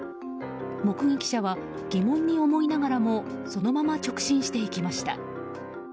目撃者は疑問に思いながらもそのまま直進していきました。